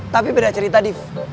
tapi beda cerita div